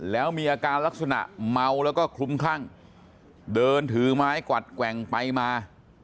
แล้วมีอาการลักษณะเมาแล้วก็คลุมคลั่งเดินถือไม้กวัดแกว่งไปมา